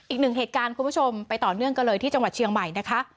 อีกหนึ่งเหตุการณ์คุณผู้ชมไปต่อเนื่องกันเลยที่จังหวัดเชียงใหม่นะคะ